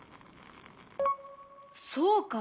そうか。